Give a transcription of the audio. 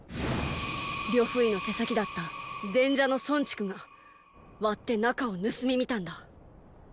呂不韋の手先だった伝者の孫築が割って中を盗み見たんだ。